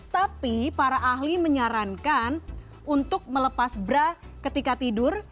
tapi para ahli menyarankan untuk melepas bra ketika tidur